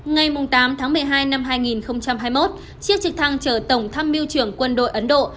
ngày tám tháng một mươi hai năm hai nghìn hai mươi một chiếc trực thăng chở tổng tham miêu trưởng quân đội ấn độ